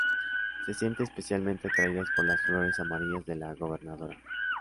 Se sienten especialmente atraídas por las flores amarillas de la gobernadora.